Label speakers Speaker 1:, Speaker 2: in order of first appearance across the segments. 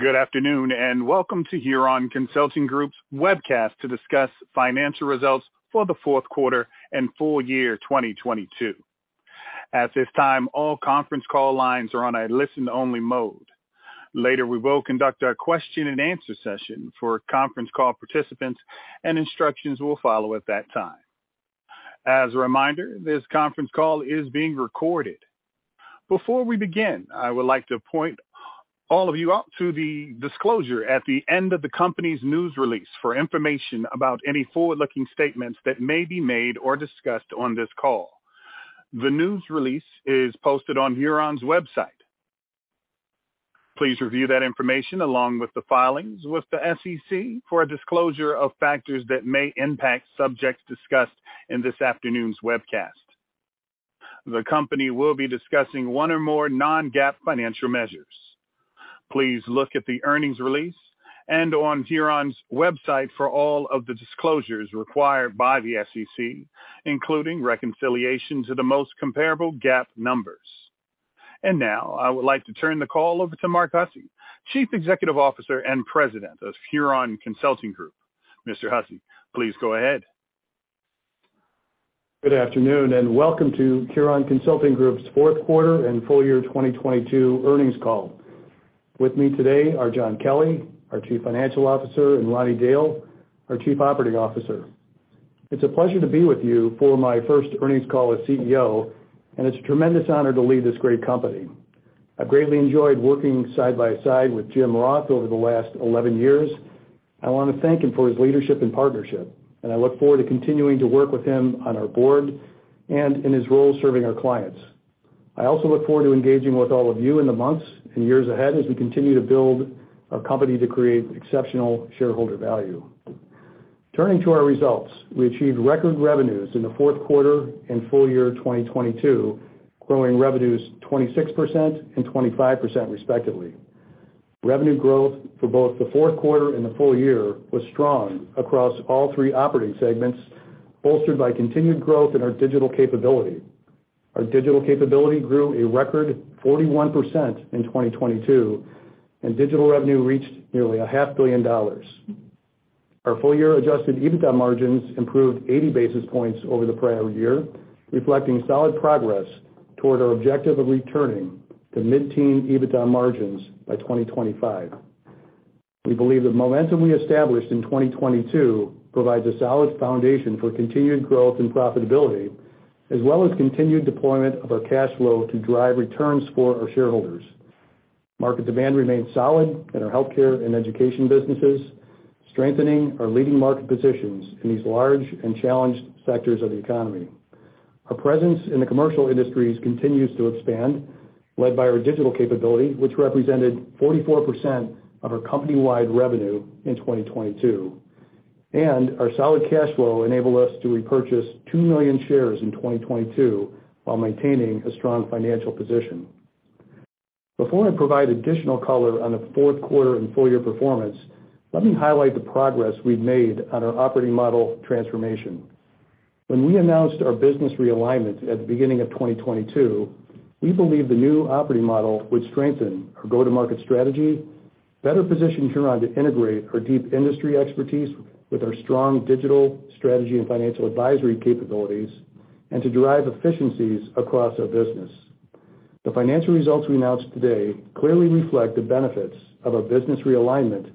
Speaker 1: Good afternoon. Welcome to Huron Consulting Group's webcast to discuss financial results for the fourth quarter and full year 2022. At this time, all conference call lines are on a listen only mode. Later, we will conduct a question and answer session for conference call participants, and instructions will follow at that time. As a reminder, this conference call is being recorded. Before we begin, I would like to point all of you out to the disclosure at the end of the company's news release for information about any forward-looking statements that may be made or discussed on this call. The news release is posted on Huron's website. Please review that information along with the filings with the SEC for a disclosure of factors that may impact subjects discussed in this afternoon's webcast. The company will be discussing one or more non-GAAP financial measures. Please look at the earnings release and on Huron's website for all of the disclosures required by the SEC, including reconciliation to the most comparable GAAP numbers. Now I would like to turn the call over to Mark Hussey, Chief Executive Officer and President of Huron Consulting Group. Mr. Hussey, please go ahead.
Speaker 2: Good afternoon, welcome to Huron Consulting Group's fourth quarter and full year 2022 earnings call. With me today are John Kelly, our Chief Financial Officer, and Ronnie Dail, our Chief Operating Officer. It's a pleasure to be with you for my first earnings call as CEO, and it's a tremendous honor to lead this great company. I've greatly enjoyed working side by side with Jim Roth over the last 11 years. I wanna thank him for his leadership and partnership, and I look forward to continuing to work with him on our board and in his role serving our clients. I also look forward to engaging with all of you in the months and years ahead as we continue to build a company to create exceptional shareholder value. Turning to our results, we achieved record revenues in the fourth quarter and full year 2022, growing revenues 26% and 25%, respectively. Revenue growth for both the fourth quarter and the full year was strong across all three operating segments, bolstered by continued growth in our digital capability. Our digital capability grew a record 41% in 2022, and digital revenue reached nearly a half billion dollars. Our full year adjusted EBITDA margins improved 80 basis points over the prior year, reflecting solid progress toward our objective of returning to mid-teen EBITDA margins by 2025. We believe the momentum we established in 2022 provides a solid foundation for continued growth and profitability, as well as continued deployment of our cash flow to drive returns for our shareholders. Market demand remains solid in our healthcare and education businesses, strengthening our leading market positions in these large and challenged sectors of the economy. Our presence in the commercial industries continues to expand, led by our digital capability, which represented 44% of our company-wide revenue in 2022. Our solid cash flow enabled us to repurchase 2 million shares in 2022 while maintaining a strong financial position. Before I provide additional color on the fourth quarter and full year performance, let me highlight the progress we've made on our operating model transformation. When we announced our business realignment at the beginning of 2022, we believe the new operating model would strengthen our go-to-market strategy, better position Huron to integrate our deep industry expertise with our strong digital strategy and financial advisory capabilities, and to derive efficiencies across our business. The financial results we announced today clearly reflect the benefits of our business realignment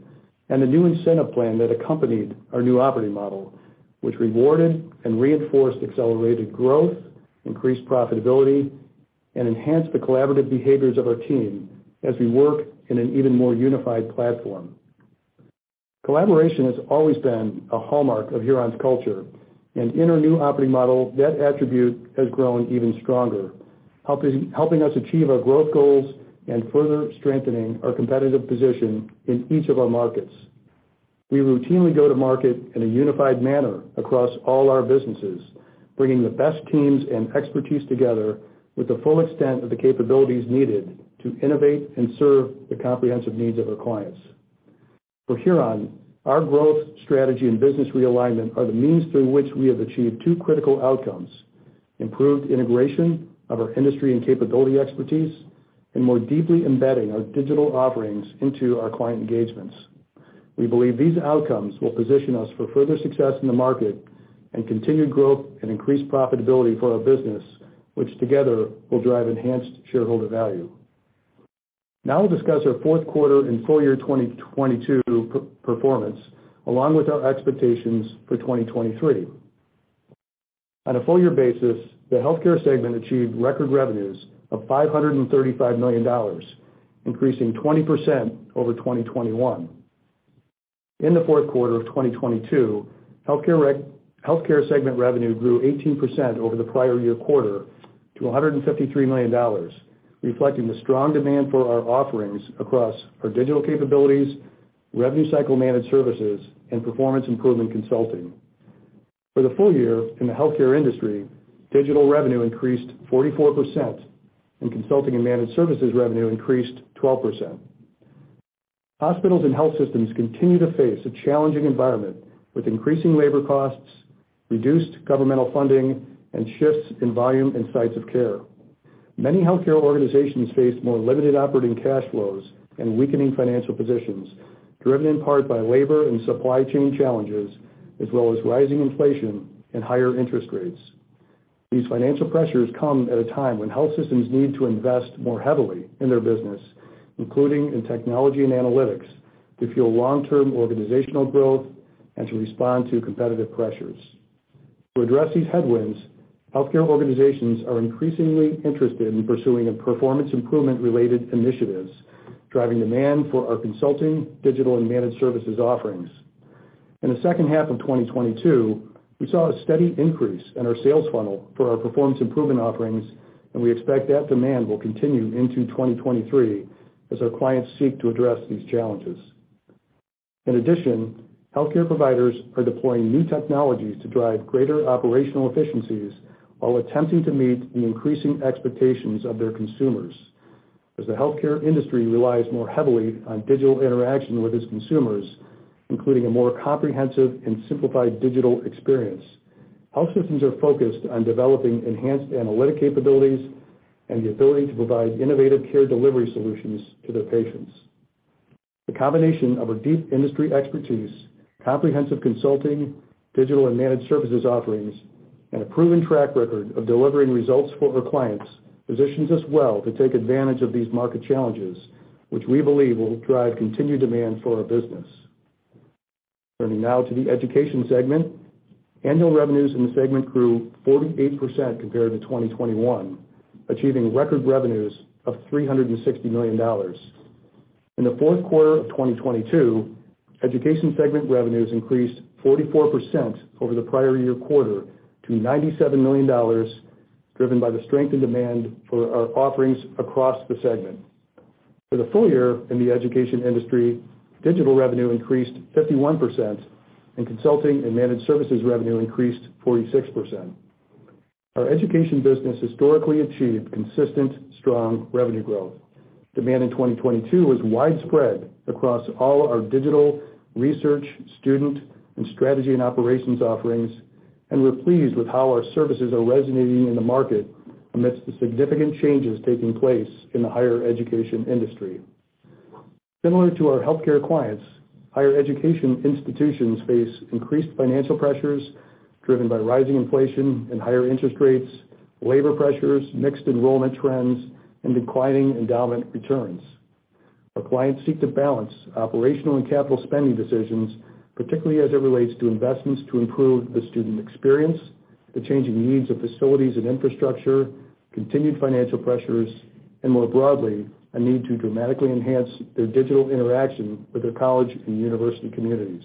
Speaker 2: and the new incentive plan that accompanied our new operating model, which rewarded and reinforced accelerated growth, increased profitability, and enhanced the collaborative behaviors of our team as we work in an even more unified platform. Collaboration has always been a hallmark of Huron's culture. In our new operating model, that attribute has grown even stronger, helping us achieve our growth goals and further strengthening our competitive position in each of our markets. We routinely go to market in a unified manner across all our businesses, bringing the best teams and expertise together with the full extent of the capabilities needed to innovate and serve the comprehensive needs of our clients. For Huron, our growth strategy and business realignment are the means through which we have achieved two critical outcomes: improved integration of our industry and capability expertise, and more deeply embedding our digital offerings into our client engagements. We believe these outcomes will position us for further success in the market and continued growth and increased profitability for our business, which together will drive enhanced shareholder value. Now I'll discuss our fourth quarter and full year 2022 performance along with our expectations for 2023. On a full year basis, the healthcare segment achieved record revenues of $535 million, increasing 20% over 2021. In the fourth quarter of 2022, healthcare segment revenue grew 18% over the prior year quarter to $153 million, reflecting the strong demand for our offerings across our digital capabilities, revenue cycle managed services, and performance improvement consulting. For the full year in the healthcare industry, digital revenue increased 44%, and consulting and managed services revenue increased 12%. Hospitals and health systems continue to face a challenging environment, with increasing labor costs, reduced governmental funding, and shifts in volume and sites of care. Many healthcare organizations face more limited operating cash flows and weakening financial positions, driven in part by labor and supply chain challenges, as well as rising inflation and higher interest rates. These financial pressures come at a time when health systems need to invest more heavily in their business, including in technology and analytics, to fuel long-term organizational growth and to respond to competitive pressures. To address these headwinds, healthcare organizations are increasingly interested in pursuing a performance improvement-related initiatives, driving demand for our consulting, digital, and managed services offerings. In the second half of 2022, we saw a steady increase in our sales funnel for our performance improvement offerings. We expect that demand will continue into 2023 as our clients seek to address these challenges. In addition, healthcare providers are deploying new technologies to drive greater operational efficiencies while attempting to meet the increasing expectations of their consumers. As the healthcare industry relies more heavily on digital interaction with its consumers, including a more comprehensive and simplified digital experience, health systems are focused on developing enhanced analytic capabilities and the ability to provide innovative care delivery solutions to their patients. The combination of our deep industry expertise, comprehensive consulting, digital, and managed services offerings, and a proven track record of delivering results for our clients positions us well to take advantage of these market challenges, which we believe will drive continued demand for our business. Turning now to the education segment. Annual revenues in the segment grew 48% compared to 2021, achieving record revenues of $360 million. In the fourth quarter of 2022, education segment revenues increased 44% over the prior year quarter to $97 million, driven by the strength and demand for our offerings across the segment. For the full year in the education industry, digital revenue increased 51%, and consulting and managed services revenue increased 46%. Our education business historically achieved consistent, strong revenue growth. Demand in 2022 was widespread across all our digital, research, student, and strategy and operations offerings, and we're pleased with how our services are resonating in the market amidst the significant changes taking place in the higher education industry. Similar to our healthcare clients, higher education institutions face increased financial pressures driven by rising inflation and higher interest rates, labor pressures, mixed enrollment trends, and declining endowment returns. Our clients seek to balance operational and capital spending decisions, particularly as it relates to investments to improve the student experience, the changing needs of facilities and infrastructure, continued financial pressures, and more broadly, a need to dramatically enhance their digital interaction with their college and university communities.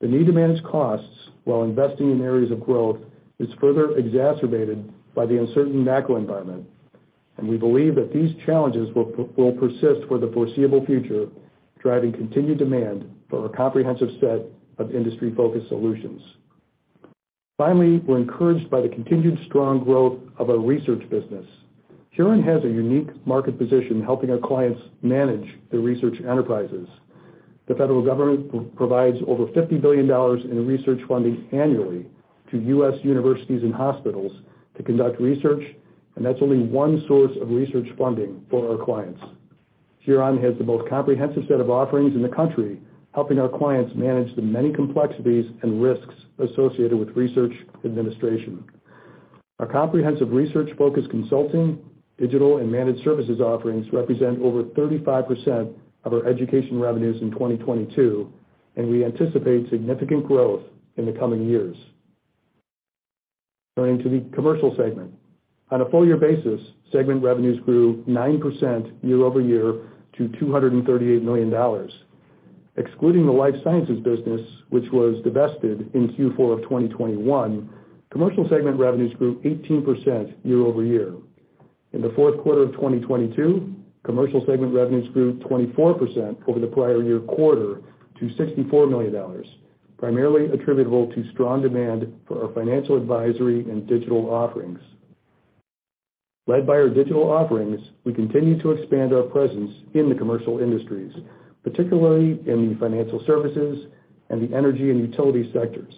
Speaker 2: The need to manage costs while investing in areas of growth is further exacerbated by the uncertain macro environment. We believe that these challenges will persist for the foreseeable future, driving continued demand for a comprehensive set of industry-focused solutions. We're encouraged by the continued strong growth of our research business. Huron has a unique market position helping our clients manage their research enterprises. The federal government provides over $50 billion in research funding annually to U.S. universities and hospitals to conduct research. That's only one source of research funding for our clients. Huron has the most comprehensive set of offerings in the country, helping our clients manage the many complexities and risks associated with research administration. Our comprehensive research-focused consulting, digital, and managed services offerings represent over 35% of our education revenues in 2022, we anticipate significant growth in the coming years. Turning to the commercial segment. On a full year basis, segment revenues grew 9% year-over-year to $238 million. Excluding the life sciences business, which was divested in Q4 of 2021, commercial segment revenues grew 18% year-over-year. In the fourth quarter of 2022, commercial segment revenues grew 24% over the prior year quarter to $64 million, primarily attributable to strong demand for our financial advisory and digital offerings. Led by our digital offerings, we continue to expand our presence in the commercial industries, particularly in the financial services and the energy and utility sectors.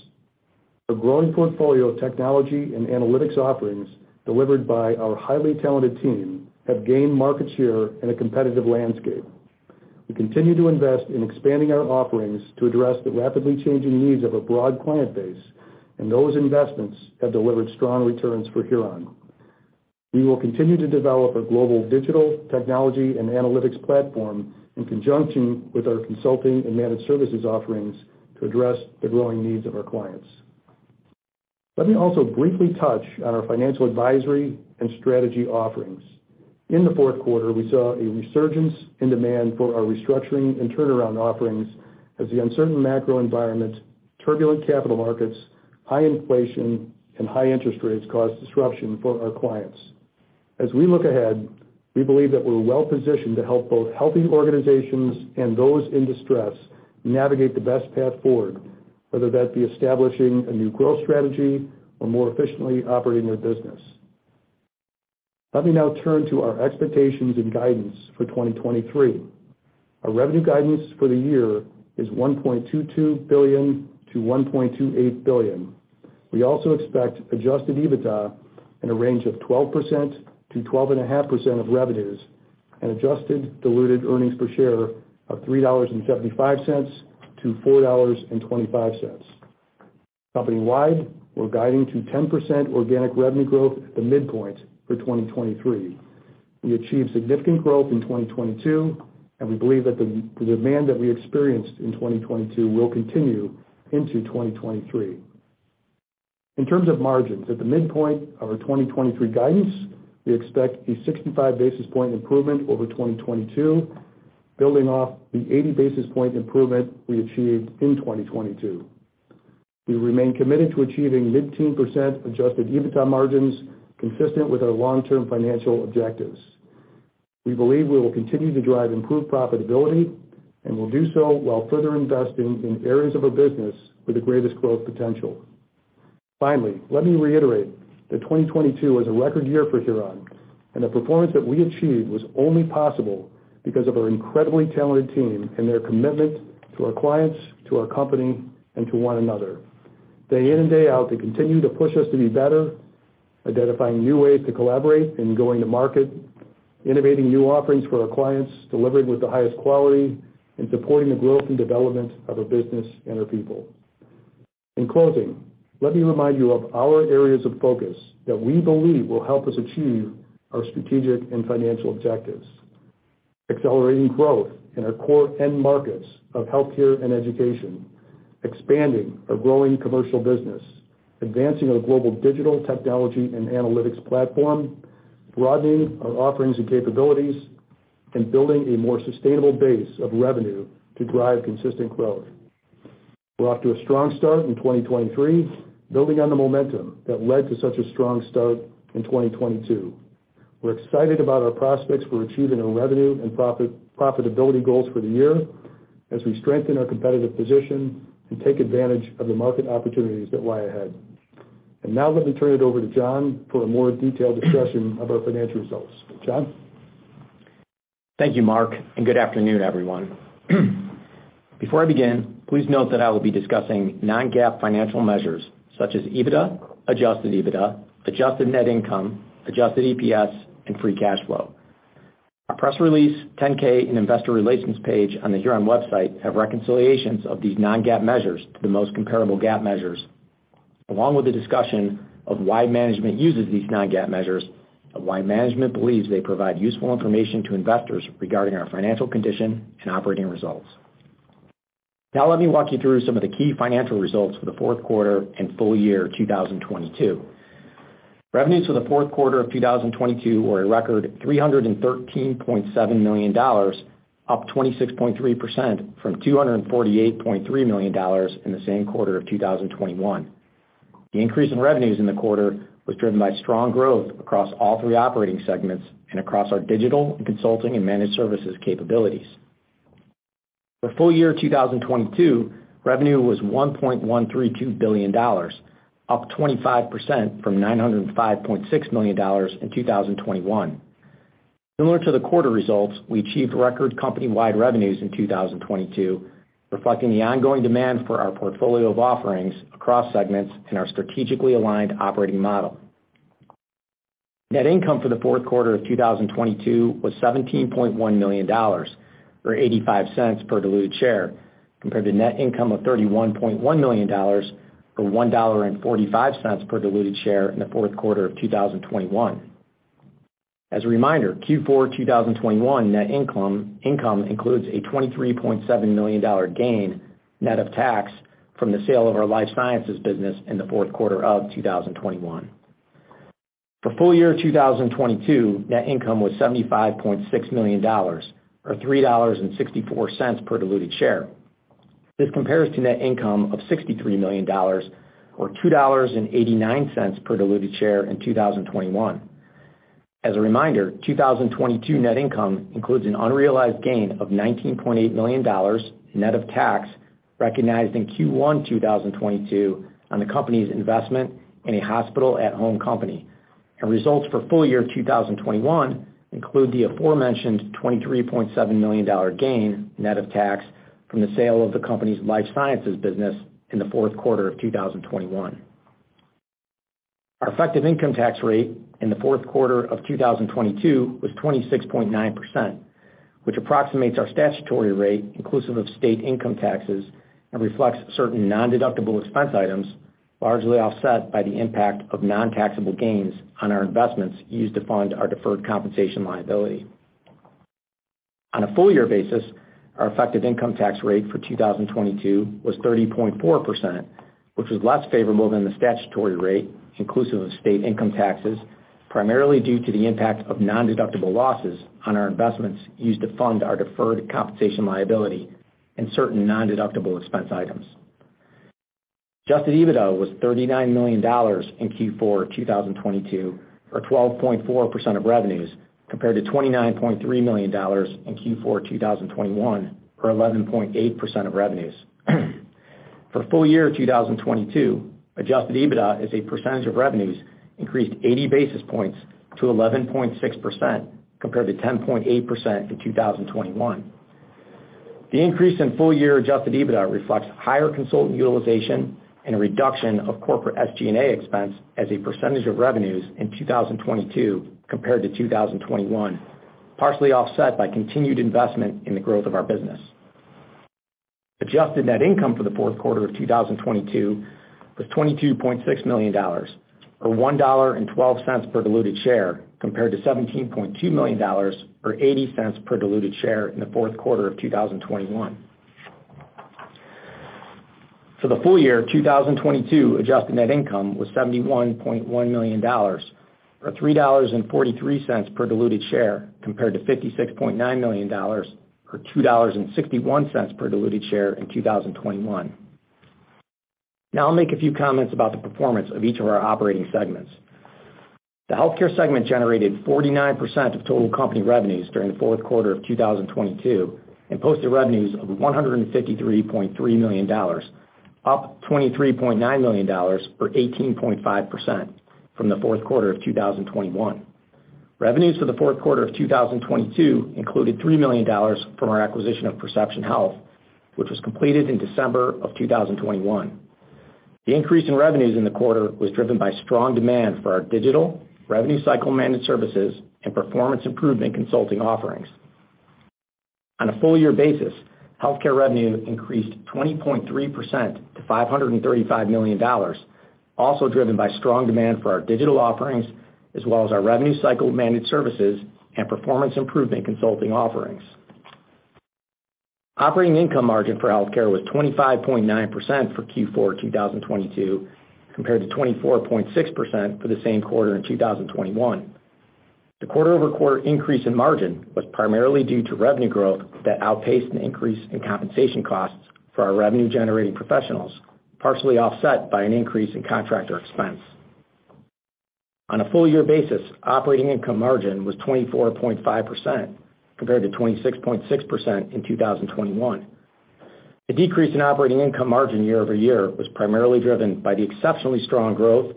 Speaker 2: Our growing portfolio of technology and analytics offerings delivered by our highly talented team have gained market share in a competitive landscape. We continue to invest in expanding our offerings to address the rapidly changing needs of a broad client base, and those investments have delivered strong returns for Huron. We will continue to develop our global digital technology and analytics platform in conjunction with our consulting and managed services offerings to address the growing needs of our clients. Let me also briefly touch on our financial advisory and strategy offerings. In the fourth quarter, we saw a resurgence in demand for our restructuring and turnaround offerings as the uncertain macro environment, turbulent capital markets, high inflation, and high interest rates caused disruption for our clients. As we look ahead, we believe that we're well positioned to help both healthy organizations and those in distress navigate the best path forward, whether that be establishing a new growth strategy or more efficiently operating their business. Let me now turn to our expectations and guidance for 2023. Our revenue guidance for the year is $1.22 billion-$1.28 billion. We also expect adjusted EBITDA in a range of 12%-12.5% of revenues and adjusted diluted earnings per share of $3.75-$4.25. Company-wide, we're guiding to 10% organic revenue growth at the midpoint for 2023. We achieved significant growth in 2022, and we believe that the demand that we experienced in 2022 will continue into 2023. In terms of margins, at the midpoint of our 2023 guidance, we expect a 65 basis point improvement over 2022, building off the 80 basis point improvement we achieved in 2022. We remain committed to achieving mid-teen % adjusted EBITDA margins consistent with our long-term financial objectives. We believe we will continue to drive improved profitability and will do so while further investing in areas of our business with the greatest growth potential. Finally, let me reiterate that 2022 was a record year for Huron, and the performance that we achieved was only possible because of our incredibly talented team and their commitment to our clients, to our company, and to one another. Day in and day out, they continue to push us to be better, identifying new ways to collaborate in going to market, innovating new offerings for our clients, delivering with the highest quality, and supporting the growth and development of our business and our people. In closing, let me remind you of our areas of focus that we believe will help us achieve our strategic and financial objectives. Accelerating growth in our core end markets of healthcare and education, expanding our growing commercial business, advancing our global digital technology and analytics platform, broadening our offerings and capabilities, and building a more sustainable base of revenue to drive consistent growth. We're off to a strong start in 2023, building on the momentum that led to such a strong start in 2022. We're excited about our prospects for achieving our revenue and profit, profitability goals for the year as we strengthen our competitive position and take advantage of the market opportunities that lie ahead. Now let me turn it over to John for a more detailed discussion of our financial results. John?
Speaker 3: Thank you, Mark. Good afternoon, everyone. Before I begin, please note that I will be discussing non-GAAP financial measures such as EBITDA, adjusted EBITDA, adjusted net income, adjusted EPS, and free cash flow. Our press release, 10-K, and investor relations page on the Huron website have reconciliations of these non-GAAP measures to the most comparable GAAP measures, along with a discussion of why management uses these non-GAAP measures and why management believes they provide useful information to investors regarding our financial condition and operating results. Let me walk you through some of the key financial results for the fourth quarter and full year 2022. Revenues for the fourth quarter of 2022 were a record $313.7 million, up 26.3% from $248.3 million in the same quarter of 2021. The increase in revenues in the quarter was driven by strong growth across all three operating segments and across our digital consulting and managed services capabilities. For full year 2022, revenue was $1.132 billion, up 25% from $905.6 million in 2021. Similar to the quarter results, we achieved record company-wide revenues in 2022, reflecting the ongoing demand for our portfolio of offerings across segments and our strategically aligned operating model. Net income for the fourth quarter of 2022 was $17.1 million, or $0.85 per diluted share, compared to net income of $31.1 million, or $1.45 per diluted share in the fourth quarter of 2021. As a reminder, Q4 2021 net income includes a $23.7 million gain net of tax from the sale of our life sciences business in the fourth quarter of 2021. For full year 2022, net income was $75.6 million or $3.64 per diluted share. This compares to net income of $63 million or $2.89 per diluted share in 2021. As a reminder, 2022 net income includes an unrealized gain of $19.8 million net of tax recognized in Q1 2022 on the company's investment in a hospital at-home company. Results for full year 2021 include the aforementioned $23.7 million gain net of tax from the sale of the company's life sciences business in the fourth quarter of 2021. Our effective income tax rate in the fourth quarter of 2022 was 26.9%, which approximates our statutory rate inclusive of state income taxes and reflects certain nondeductible expense items, largely offset by the impact of nontaxable gains on our investments used to fund our deferred compensation liability. On a full year basis, our effective income tax rate for 2022 was 30.4%, which was less favorable than the statutory rate inclusive of state income taxes, primarily due to the impact of nondeductible losses on our investments used to fund our deferred compensation liability and certain nondeductible expense items. Adjusted EBITDA was $39 million in Q4 2022, or 12.4% of revenues, compared to $29.3 million in Q4 2021, or 11.8% of revenues. For full year 2022, adjusted EBITDA as a percentage of revenues increased 80 basis points to 11.6% compared to 10.8% in 2021. The increase in full year adjusted EBITDA reflects higher consultant utilization and a reduction of corporate SG&A expense as a percentage of revenues in 2022 compared to 2021, partially offset by continued investment in the growth of our business. Adjusted net income for the fourth quarter of 2022 was $22.6 million, or $1.12 per diluted share, compared to $17.2 million or $0.80 per diluted share in the fourth quarter of 2021. For the full year of 2022, adjusted net income was $71.1 million, or $3.43 per diluted share compared to $56.9 million or $2.61 per diluted share in 2021. I'll make a few comments about the performance of each of our operating segments. The healthcare segment generated 49% of total company revenues during the fourth quarter of 2022, and posted revenues of $153.3 million, up $23.9 million or 18.5% from the fourth quarter of 2021. Revenues for the fourth quarter of 2022 included $3 million from our acquisition of Perception Health, which was completed in December of 2021. The increase in revenues in the quarter was driven by strong demand for our digital revenue cycle managed services and performance improvement consulting offerings. On a full year basis, healthcare revenue increased 20.3% to $535 million, also driven by strong demand for our digital offerings as well as our revenue cycle managed services and performance improvement consulting offerings. Operating income margin for healthcare was 25.9% for Q4 2022, compared to 24.6% for the same quarter in 2021. The quarter-over-quarter increase in margin was primarily due to revenue growth that outpaced an increase in compensation costs for our revenue-generating professionals, partially offset by an increase in contractor expense. On a full year basis, operating income margin was 24.5% compared to 26.6% in 2021. The decrease in operating income margin year-over-year was primarily driven by the exceptionally strong growth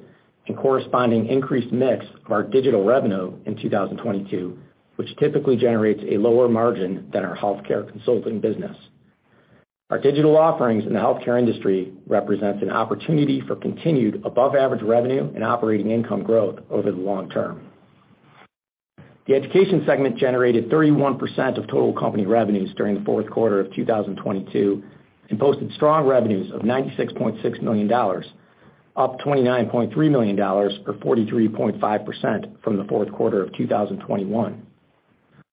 Speaker 3: and corresponding increased mix of our digital revenue in 2022, which typically generates a lower margin than our healthcare consulting business. Our digital offerings in the healthcare industry represents an opportunity for continued above average revenue and operating income growth over the long term. The education segment generated 31% of total company revenues during the fourth quarter of 2022. Posted strong revenues of $96.6 million, up $29.3 million, or 43.5% from the fourth quarter of 2021.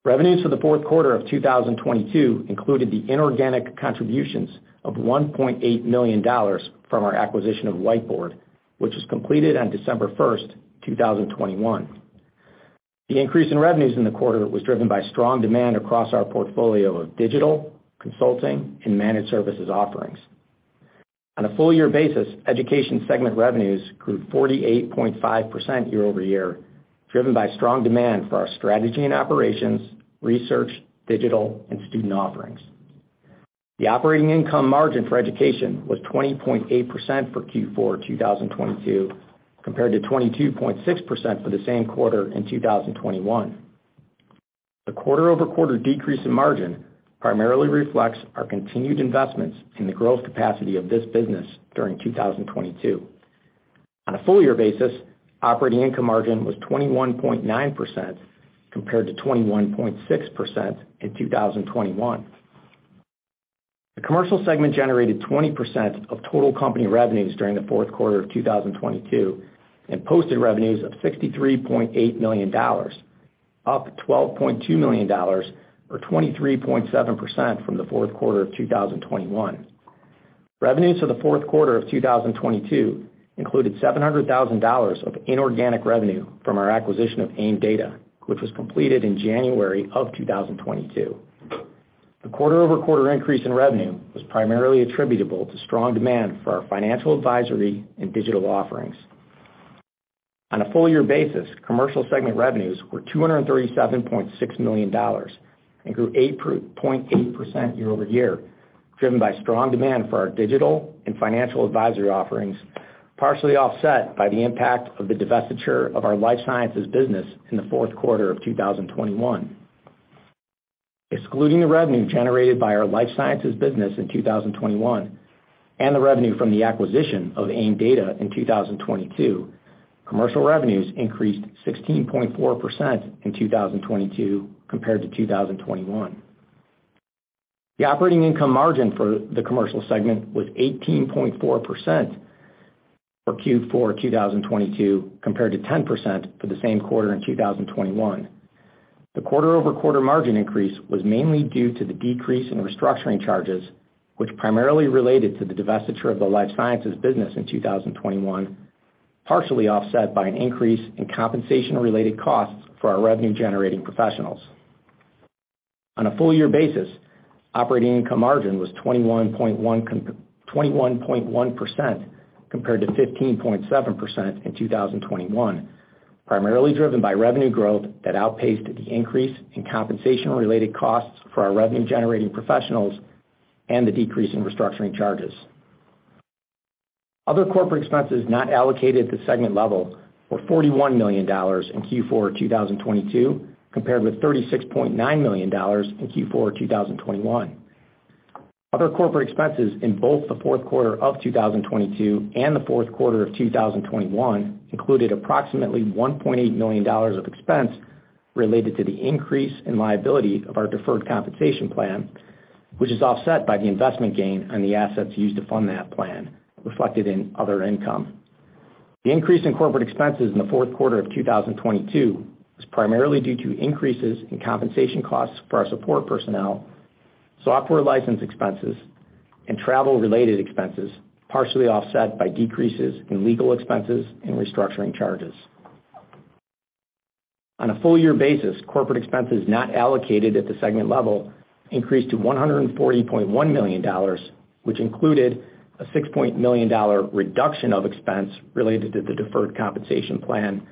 Speaker 3: Revenues for the fourth quarter of 2022 included the inorganic contributions of $1.8 million from our acquisition of Whiteboard, which was completed on December 1st, 2021. The increase in revenues in the quarter was driven by strong demand across our portfolio of digital, consulting and managed services offerings. On a full year basis, education segment revenues grew 48.5% year-over-year, driven by strong demand for our strategy and operations, research, digital and student offerings. The operating income margin for education was 20.8% for Q4 2022, compared to 22.6% for the same quarter in 2021. The quarter-over-quarter decrease in margin primarily reflects our continued investments in the growth capacity of this business during 2022. On a full year basis, operating income margin was 21.9% compared to 21.6% in 2021. The commercial segment generated 20% of total company revenues during the fourth quarter of 2022, and posted revenues of $63.8 million, up $12.2 million, or 23.7% from the fourth quarter of 2021. Revenues for the fourth quarter of 2022 included $700,000 of inorganic revenue from our acquisition of AIMDATA, which was completed in January of 2022. The quarter-over-quarter increase in revenue was primarily attributable to strong demand for our financial advisory and digital offerings. On a full year basis, commercial segment revenues were $237.6 million and grew 8.8% year-over-year, driven by strong demand for our digital and financial advisory offerings, partially offset by the impact of the divestiture of our life sciences business in the fourth quarter of 2021. Excluding the revenue generated by our life sciences business in 2021 and the revenue from the acquisition of AIMDATA in 2022, commercial revenues increased 16.4% in 2022 compared to 2021. The operating income margin for the commercial segment was 18.4% for Q4 2022, compared to 10% for the same quarter in 2021. The quarter-over-quarter margin increase was mainly due to the decrease in restructuring charges, which primarily related to the divestiture of the life sciences business in 2021, partially offset by an increase in compensation-related costs for our revenue generating professionals. On a full year basis, operating income margin was 21.1% compared to 15.7% in 2021. Primarily driven by revenue growth that outpaced the increase in compensation-related costs for our revenue-generating professionals and the decrease in restructuring charges. Other corporate expenses not allocated at the segment level were $41 million in Q4 2022 compared with $36.9 million in Q4 2021. Other corporate expenses in both the fourth quarter of 2022 and the fourth quarter of 2021 included approximately $1.8 million of expense related to the increase in liability of our deferred compensation plan, which is offset by the investment gain and the assets used to fund that plan reflected in other income. The increase in corporate expenses in the fourth quarter of 2022 was primarily due to increases in compensation costs for our support personnel, software license expenses, and travel-related expenses, partially offset by decreases in legal expenses and restructuring charges. On a full year basis, corporate expenses not allocated at the segment level increased to $140.1 million, which included a $6.0 million reduction of expense related to the deferred compensation plan,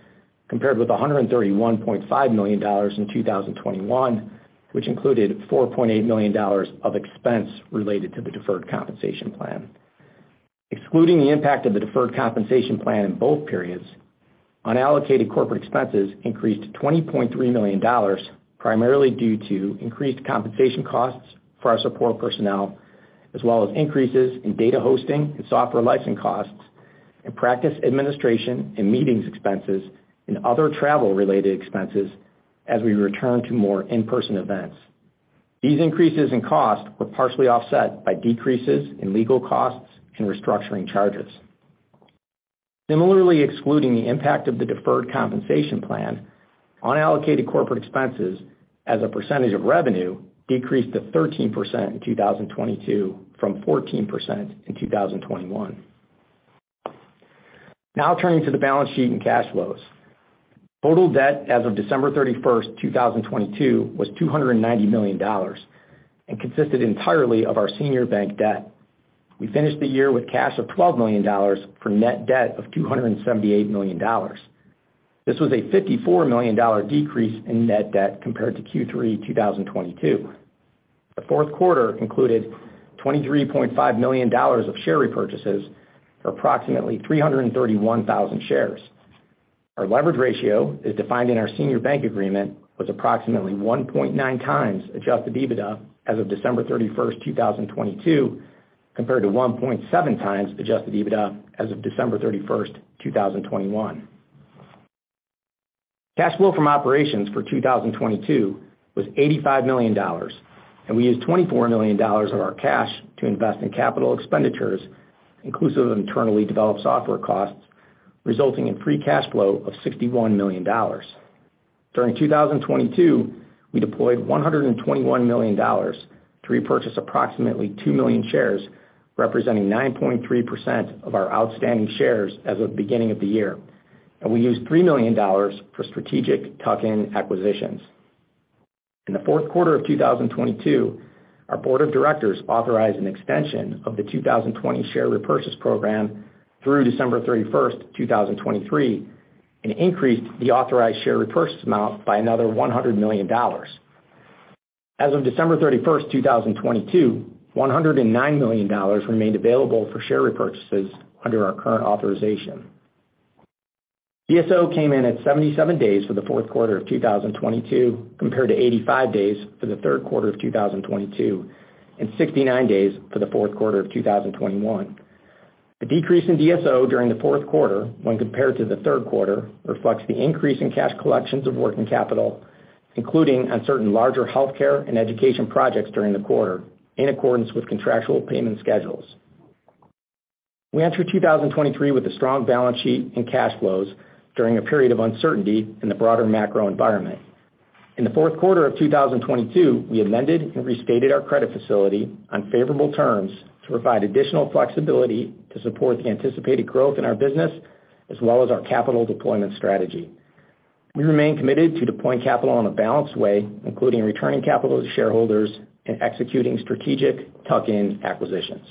Speaker 3: compared with $131.5 million in 2021, which included $4.8 million of expense related to the deferred compensation plan. Excluding the impact of the deferred compensation plan in both periods, unallocated corporate expenses increased to $20.3 million, primarily due to increased compensation costs for our support personnel, as well as increases in data hosting and software licensing costs and practice administration and meetings expenses and other travel-related expenses as we return to more in-person events. These increases in cost were partially offset by decreases in legal costs and restructuring charges. Similarly, excluding the impact of the deferred compensation plan, unallocated corporate expenses as a percentage of revenue decreased to 13% in 2022 from 14% in 2021. Now turning to the balance sheet and cash flows. Total debt as of December 31st, 2022 was $290 million and consisted entirely of our senior bank debt. We finished the year with cash of $12 million for net debt of $278 million. This was a $54 million decrease in net debt compared to Q3 2022. The fourth quarter included $23.5 million of share repurchases for approximately 331,000 shares. Our leverage ratio is defined in our senior bank agreement, was approximately 1.9 times adjusted EBITDA as of December 31st, 2022, compared to 1.7 times adjusted EBITDA as of December 31st, 2021. Cash flow from operations for 2022 was $85 million. We used $24 million of our cash to invest in capital expenditures, inclusive of internally developed software costs, resulting in free cash flow of $61 million. During 2022, we deployed $121 million to repurchase approximately 2 million shares, representing 9.3% of our outstanding shares as of beginning of the year. We used $3 million for strategic tuck-in acquisitions. In the fourth quarter of 2022, our board of directors authorized an extension of the 2020 share repurchase program through December 31st, 2023, and increased the authorized share repurchase amount by another $100 million. As of December 31st, 2022, $109 million remained available for share repurchases under our current authorization. DSO came in at 77 days for the fourth quarter of 2022, compared to 85 days for the third quarter of 2022, and 69 days for the fourth quarter of 2021. The decrease in DSO during the fourth quarter when compared to the third quarter reflects the increase in cash collections of working capital, including uncertain larger healthcare and education projects during the quarter in accordance with contractual payment schedules. We enter 2023 with a strong balance sheet and cash flows during a period of uncertainty in the broader macro environment. In the fourth quarter of 2022, we amended and restated our credit facility on favorable terms to provide additional flexibility to support the anticipated growth in our business as well as our capital deployment strategy. We remain committed to deploying capital in a balanced way, including returning capital to shareholders and executing strategic tuck-in acquisitions.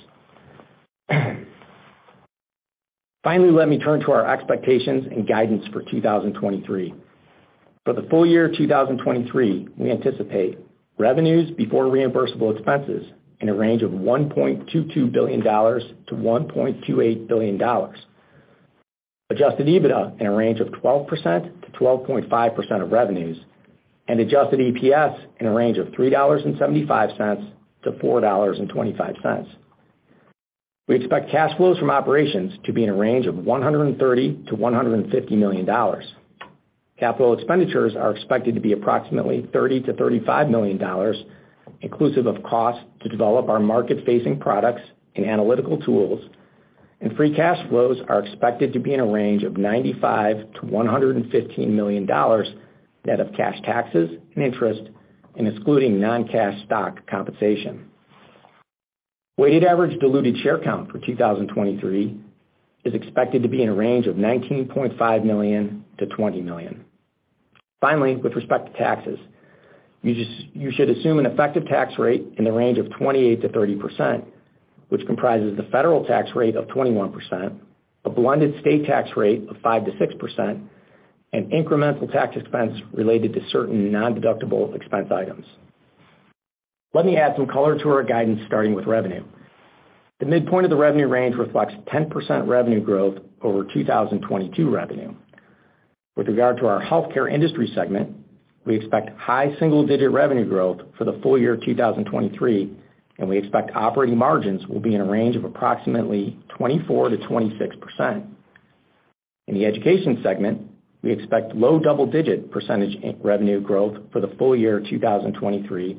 Speaker 3: Let me turn to our expectations and guidance for 2023. For the full year 2023, we anticipate revenues before reimbursable expenses in a range of $1.22 billion-$1.28 billion, adjusted EBITDA in a range of 12%-12.5% of revenues, and adjusted EPS in a range of $3.75-$4.25. We expect cash flows from operations to be in a range of $130 million-$150 million. Capital expenditures are expected to be approximately $30 million-$35 million, inclusive of costs to develop our market-facing products and analytical tools, and free cash flows are expected to be in a range of $95 million-$115 million, net of cash taxes and interest and excluding non-cash stock compensation. Weighted average diluted share count for 2023 is expected to be in a range of 19.5 million-20 million. Finally, with respect to taxes, you should assume an effective tax rate in the range of 28%-30%, which comprises the federal tax rate of 21%, a blended state tax rate of 5%-6%, and incremental tax expense related to certain nondeductible expense items. Let me add some color to our guidance, starting with revenue. The midpoint of the revenue range reflects 10% revenue growth over 2022 revenue. With regard to our healthcare industry segment, we expect high single-digit revenue growth for the full year 2023, and we expect operating margins will be in a range of approximately 24%-26%. In the education segment, we expect low double-digit % in revenue growth for the full year 2023,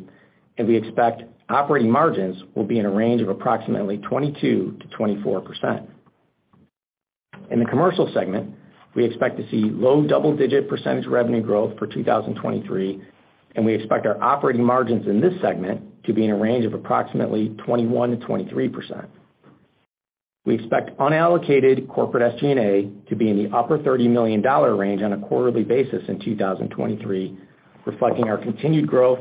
Speaker 3: and we expect operating margins will be in a range of approximately 22%-24%. In the commercial segment, we expect to see low double-digit % revenue growth for 2023, and we expect our operating margins in this segment to be in a range of approximately 21%-23%. We expect unallocated corporate SG&A to be in the upper $30 million range on a quarterly basis in 2023, reflecting our continued growth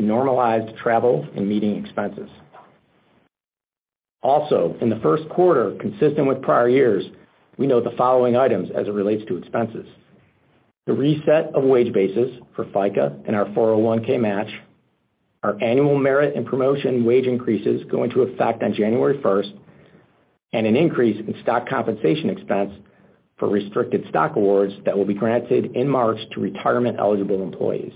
Speaker 3: in normalized travel and meeting expenses. Also, in the first quarter, consistent with prior years, we note the following items as it relates to expenses. The reset of wage basis for FICA and our 401(k) match, our annual merit and promotion wage increases go into effect on January first, and an increase in stock compensation expense for restricted stock awards that will be granted in March to retirement-eligible employees.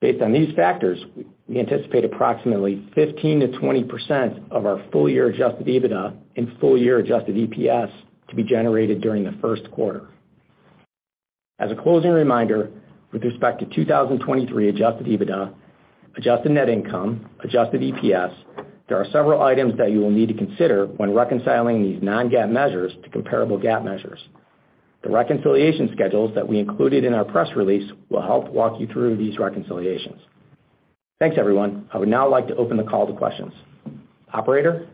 Speaker 3: Based on these factors, we anticipate approximately 15%-20% of our full year adjusted EBITDA and full year adjusted EPS to be generated during the first quarter. As a closing reminder with respect to 2023 adjusted EBITDA, adjusted net income, adjusted EPS, there are several items that you will need to consider when reconciling these non-GAAP measures to comparable GAAP measures. The reconciliation schedules that we included in our press release will help walk you through these reconciliations. Thanks, everyone. I would now like to open the call to questions. Operator?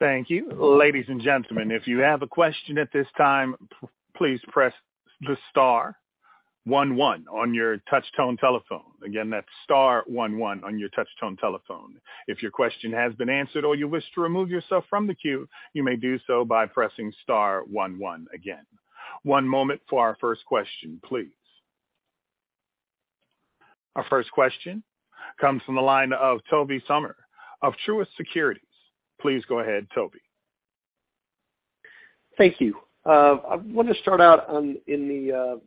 Speaker 1: Thank you. Ladies and gentlemen, if you have a question at this time, please press the star one one on your touchtone telephone. That's star one one on your touchtone telephone. If your question has been answered or you wish to remove yourself from the queue, you may do so by pressing star one one again. One moment for our first question, please. Our first question comes from the line of Tobey Sommer of Truist Securities. Please go ahead, Tobey.
Speaker 4: Thank you. I wanted to start out on in the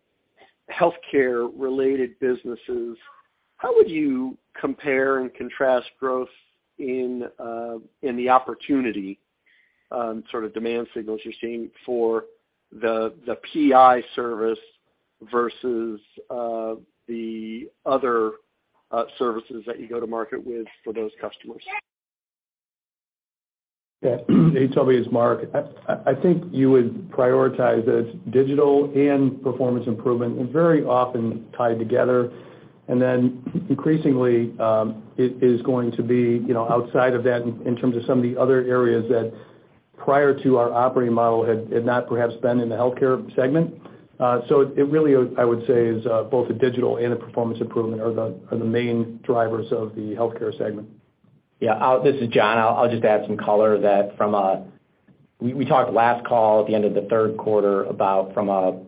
Speaker 4: healthcare related businesses. How would you compare and contrast growth in in the opportunity, sort of demand signals you're seeing for the PI service versus the other services that you go to market with for those customers?
Speaker 2: Yeah. Hey, Tobey, it's Mark. I think you would prioritize that it's digital and performance improvement and very often tied together. Increasingly, it is going to be, you know, outside of that in terms of some of the other areas that prior to our operating model had not perhaps been in the healthcare segment. It really is, I would say, is both a digital and a performance improvement are the main drivers of the healthcare segment.
Speaker 3: This is John. I'll just add some color. We talked last call at the end of the third quarter about from a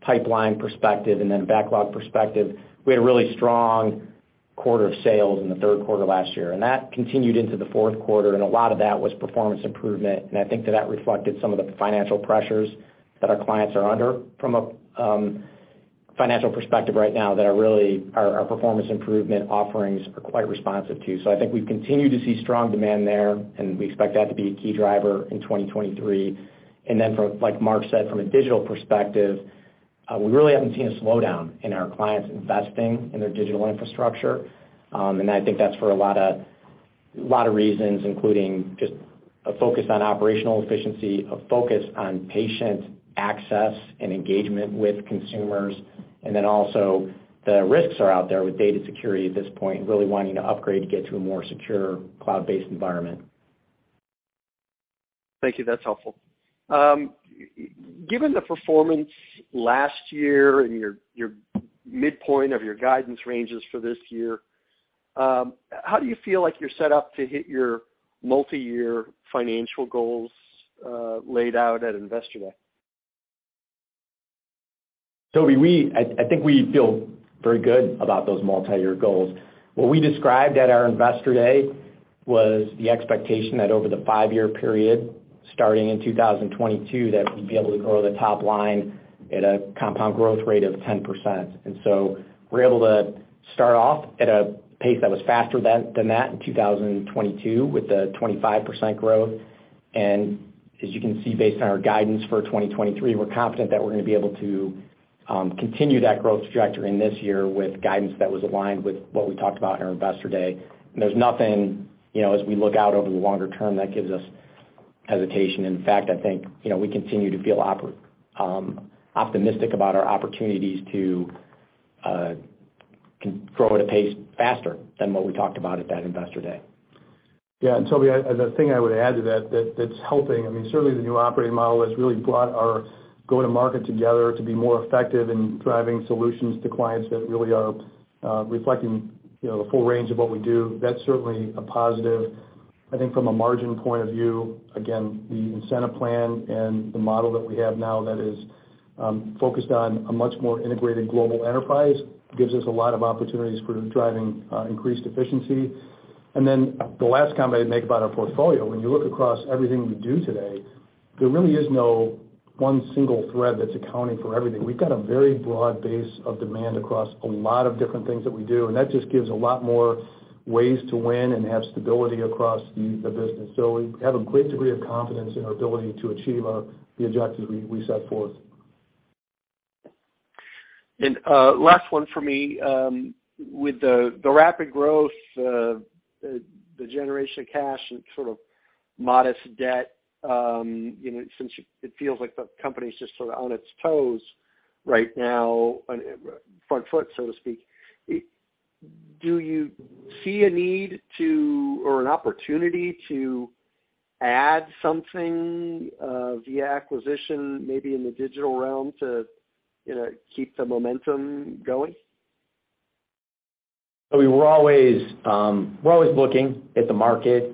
Speaker 3: pipeline perspective and then backlog perspective. We had a really strong quarter of sales in the third quarter last year, that continued into the fourth quarter, and a lot of that was performance improvement. I think that that reflected some of the financial pressures that our clients are under from a financial perspective right now that are really our performance improvement offerings are quite responsive to. I think we've continued to see strong demand there, and we expect that to be a key driver in 2023. From, like Mark said, from a digital perspective, we really haven't seen a slowdown in our clients investing in their digital infrastructure. I think that's for a lot of reasons, including just a focus on operational efficiency, a focus on patient access and engagement with consumers. Then also the risks are out there with data security at this point, really wanting to upgrade to get to a more secure cloud-based environment.
Speaker 4: Thank you. That's helpful. Given the performance last year and your midpoint of your guidance ranges for this year, how do you feel like you're set up to hit your multiyear financial goals, laid out at Investor Day?
Speaker 3: Tobey, I think we feel very good about those multiyear goals. What we described at our Investor Day was the expectation that over the five-year period, starting in 2022, that we'd be able to grow the top line at a compound growth rate of 10%. We're able to start off at a pace that was faster than that in 2022 with the 25% growth. As you can see, based on our guidance for 2023, we're confident that we're gonna be able to continue that growth trajectory in this year with guidance that was aligned with what we talked about at our Investor Day. There's nothing, you know, as we look out over the longer term, that gives us hesitation. In fact, I think, you know, we continue to feel optimistic about our opportunities to grow at a pace faster than what we talked about at that Investor Day.
Speaker 2: Yeah. Tobey, the thing I would add to that's helping, I mean, certainly the new operating model has really brought our go-to-market together to be more effective in driving solutions to clients that really are reflecting, you know, the full range of what we do. That's certainly a positive. I think from a margin point of view, again, the incentive plan and the model that we have now that is focused on a much more integrated global enterprise gives us a lot of opportunities for driving increased efficiency. The last comment I'd make about our portfolio, when you look across everything we do today, there really is no one single thread that's accounting for everything. We've got a very broad base of demand across a lot of different things that we do, and that just gives a lot more ways to win and have stability across the business. We have a great degree of confidence in our ability to achieve the objectives we set forth.
Speaker 4: Last one for me. With the rapid growth, the generation of cash and sort of modest debt, you know, since it feels like the company's just sort of on its toes right now on front foot, so to speak, do you see a need to or an opportunity to add something via acquisition, maybe in the digital realm to, you know, keep the momentum going?
Speaker 3: We were always, we're always looking at the market.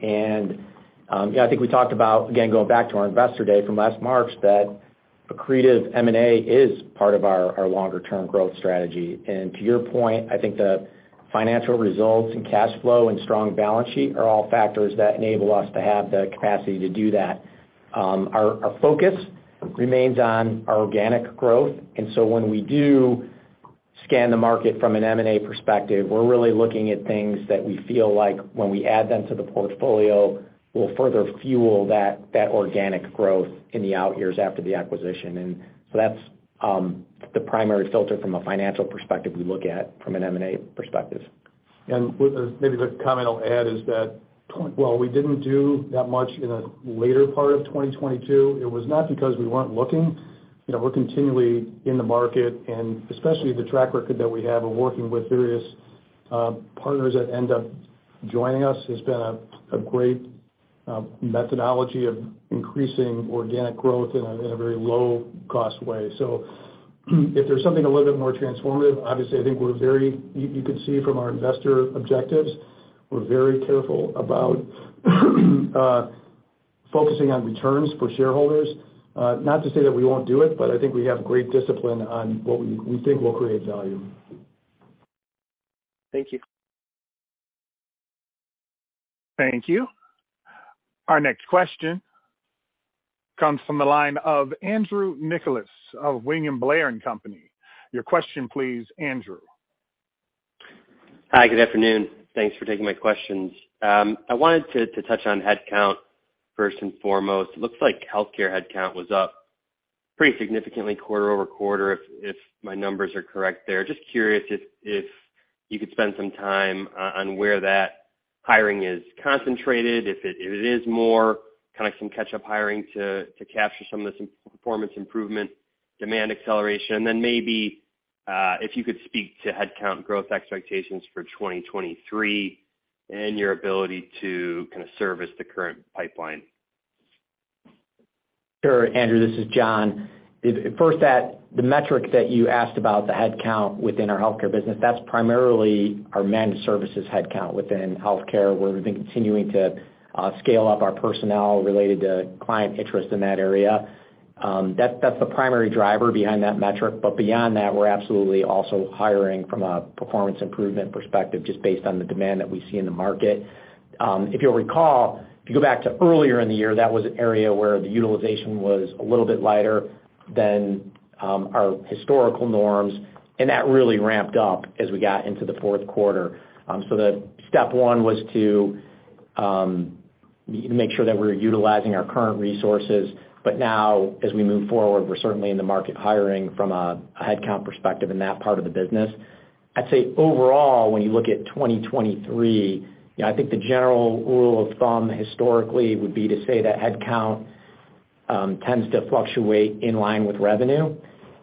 Speaker 3: Yeah, I think we talked about, again, going back to our Investor Day from last March, that accretive M&A is part of our longer term growth strategy. To your point, I think the financial results and cash flow and strong balance sheet are all factors that enable us to have the capacity to do that. Our focus remains on our organic growth. When we do scan the market from an M&A perspective, we're really looking at things that we feel like when we add them to the portfolio, will further fuel that organic growth in the out years after the acquisition. That's the primary filter from a financial perspective we look at from an M&A perspective.
Speaker 2: Maybe the comment I'll add is that while we didn't do that much in the later part of 2022, it was not because we weren't looking. You know, we're continually in the market, and especially the track record that we have of working with various partners that end up joining us has been a great methodology of increasing organic growth in a very low cost way. If there's something a little bit more transformative, obviously, I think you could see from our investor objectives, we're very careful about focusing on returns for shareholders. Not to say that we won't do it, but I think we have great discipline on what we think will create value.
Speaker 4: Thank you.
Speaker 1: Thank you. Our next question comes from the line of Andrew Nicholas of William Blair & Company. Your question, please, Andrew.
Speaker 5: Hi. Good afternoon. Thanks for taking my questions. I wanted to touch on headcount first and foremost. It looks like healthcare headcount was up pretty significantly quarter-over-quarter, if my numbers are correct there. Just curious if you could spend some time on where that hiring is concentrated, if it is more kind of some catch-up hiring to capture some of this performance improvement demand acceleration. Maybe if you could speak to headcount growth expectations for 2023 and your ability to kind of service the current pipeline.
Speaker 3: Sure, Andrew, this is John. First, the metric that you asked about, the headcount within our healthcare business, that's primarily our managed services headcount within healthcare, where we've been continuing to scale up our personnel related to client interest in that area. That's the primary driver behind that metric. Beyond that, we're absolutely also hiring from a performance improvement perspective, just based on the demand that we see in the market. If you'll recall, if you go back to earlier in the year, that was an area where the utilization was a little bit lighter than our historical norms, and that really ramped up as we got into the fourth quarter. The step one was to make sure that we're utilizing our current resources. Now as we move forward, we're certainly in the market hiring from a headcount perspective in that part of the business. I'd say overall, when you look at 2023, you know, I think the general rule of thumb historically would be to say that headcount tends to fluctuate in line with revenue.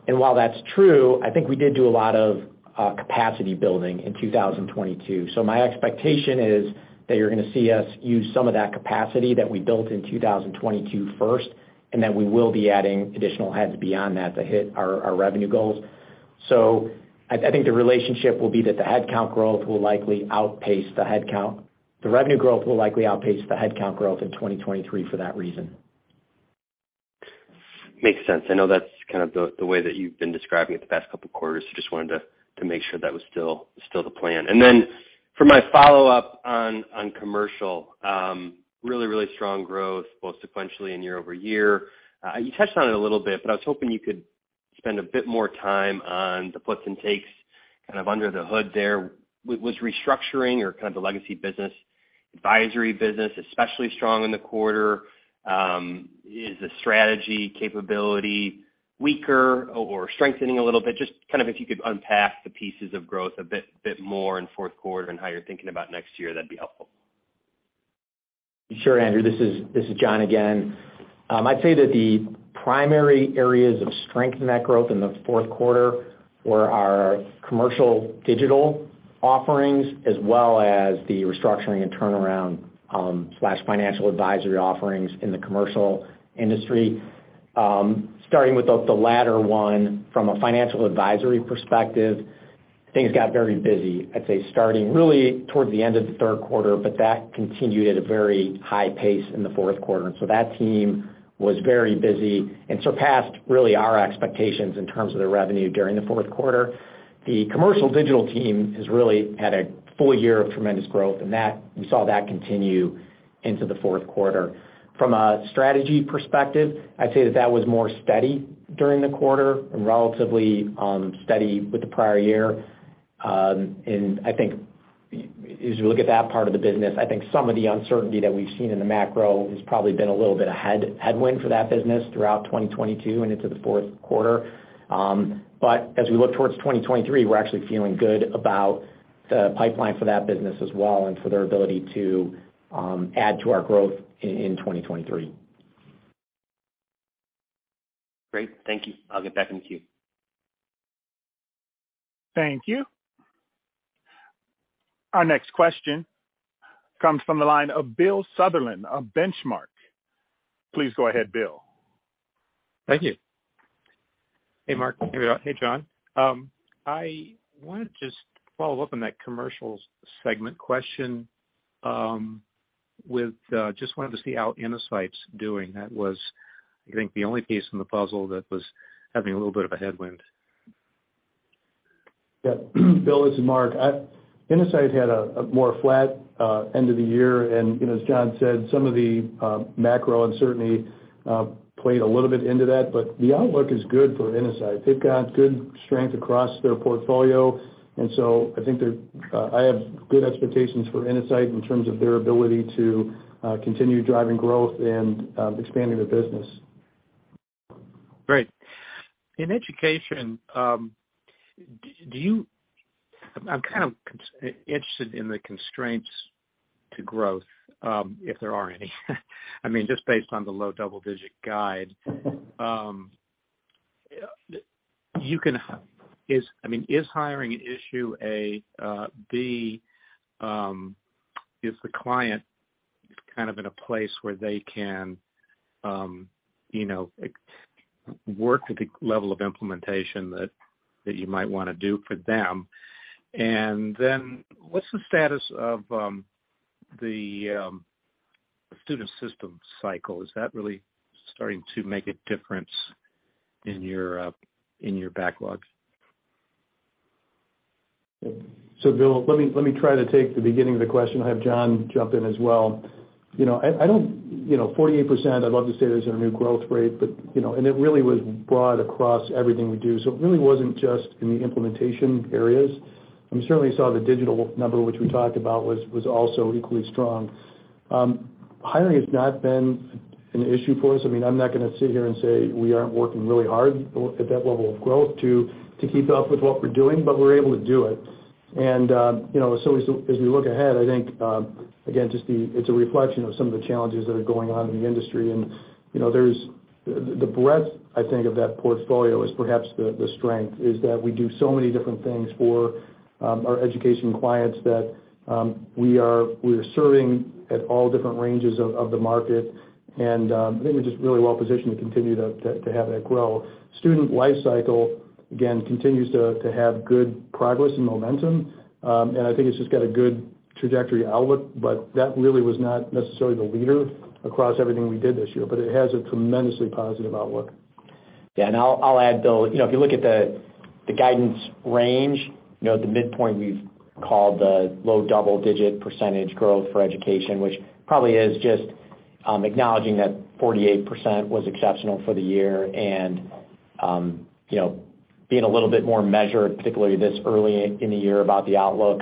Speaker 3: While that's true, I think we did do a lot of capacity building in 2022. My expectation is that you're gonna see us use some of that capacity that we built in 2022 first, and then we will be adding additional heads beyond that to hit our revenue goals. I think the relationship will be that the headcount growth will likely outpace the headcount. The revenue growth will likely outpace the headcount growth in 2023 for that reason.
Speaker 5: Makes sense. I know that's kind of the way that you've been describing it the past couple of quarters. Just wanted to make sure that was still the plan. For my follow-up on commercial, really strong growth both sequentially and year-over-year. You touched on it a little bit, but I was hoping you could spend a bit more time on the puts and takes kind of under the hood there. Was restructuring or kind of the legacy business, advisory business, especially strong in the quarter? Is the strategy capability weaker or strengthening a little bit? Just kind of if you could unpack the pieces of growth a bit more in fourth quarter and how you're thinking about next year, that'd be helpful.
Speaker 3: Sure, Andrew. This is John again. I'd say that the primary areas of strength in that growth in the fourth quarter were our commercial digital offerings, as well as the restructuring and turnaround slash financial advisory offerings in the commercial industry. Starting with the latter one from a financial advisory perspective, things got very busy, I'd say, starting really towards the end of the third quarter. That continued at a very high pace in the fourth quarter. That team was very busy and surpassed really our expectations in terms of their revenue during the fourth quarter. The commercial digital team has really had a full year of tremendous growth, we saw that continue into the fourth quarter. From a strategy perspective, I'd say that that was more steady during the quarter and relatively steady with the prior year. I think as we look at that part of the business, I think some of the uncertainty that we've seen in the macro has probably been a little bit a headwind for that business throughout 2022 and into the fourth quarter. As we look towards 2023, we're actually feeling good about the pipeline for that business as well and for their ability to add to our growth in 2023.
Speaker 5: Great. Thank you. I'll get back in the queue.
Speaker 1: Thank you. Our next question comes from the line of Bill Sutherland of Benchmark. Please go ahead, Bill.
Speaker 6: Thank you. Hey, Mark. Hey, John. I wanted to just follow up on that commercial segment question, just wanted to see how Innosight's doing. That was, I think, the only piece in the puzzle that was having a little bit of a headwind.
Speaker 2: Yeah. Bill, this is Mark. Innosight had a more flat end of the year. You know, as John said, some of the macro uncertainty played a little bit into that, but the outlook is good for Innosight. They've got good strength across their portfolio, and so I think I have good expectations for Innosight in terms of their ability to continue driving growth and expanding their business.
Speaker 6: Great. In education, I'm kind of interested in the constraints to growth, if there are any. I mean, just based on the low double-digit guide, I mean, is hiring an issue? A, B, is the client kind of in a place where they can, you know, work at the level of implementation that you might wanna do for them? What's the status of the student system cycle? Is that really starting to make a difference in your in your backlog?
Speaker 2: Bill, let me, let me try to take the beginning of the question. I'll have John jump in as well. You know, I don't, you know, 48%, I'd love to say that's our new growth rate, but, you know, it really was broad across everything we do. It really wasn't just in the implementation areas. We certainly saw the digital number, which we talked about, was also equally strong. Hiring has not been an issue for us. I mean, I'm not gonna sit here and say we aren't working really hard at that level of growth to keep up with what we're doing, but we're able to do it. You know, as we look ahead, I think, again, just it's a reflection of some of the challenges that are going on in the industry. You know, there's the breadth, I think, of that portfolio is perhaps the strength, is that we do so many different things for our education clients that we're serving at all different ranges of the market. I think we're just really well positioned to continue to have that grow. Student life cycle, again, continues to have good progress and momentum. I think it's just got a good trajectory outlook, but that really was not necessarily the leader across everything we did this year, but it has a tremendously positive outlook.
Speaker 3: Yeah. I'll add, Bill, you know, if you look at the guidance range, you know, at the midpoint, we've called the low double-digit % growth for education, which probably is just acknowledging that 48% was exceptional for the year and, you know, being a little bit more measured, particularly this early in the year about the outlook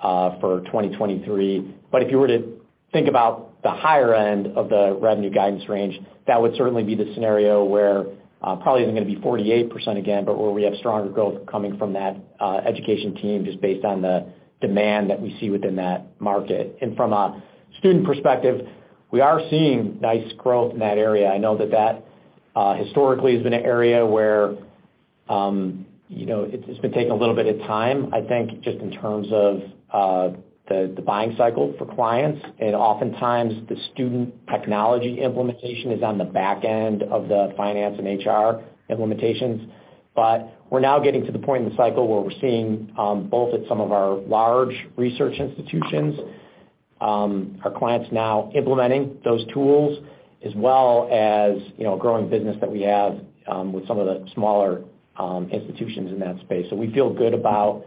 Speaker 3: for 2023. If you were to think about the higher end of the revenue guidance range, that would certainly be the scenario where probably isn't gonna be 48% again, but where we have stronger growth coming from that education team just based on the demand that we see within that market. From a student perspective, we are seeing nice growth in that area. I know that that historically has been an area where, you know, it's been taking a little bit of time, I think, just in terms of the buying cycle for clients. Oftentimes the student technology implementation is on the back end of the finance and HR implementations. We're now getting to the point in the cycle where we're seeing, both at some of our large research institutions, our clients now implementing those tools as well as, you know, a growing business that we have, with some of the smaller institutions in that space. We feel good about